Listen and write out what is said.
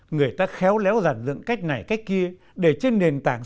người ta khéo léo giản dựng cách này cách kia để trên nền tảng